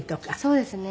そうですね。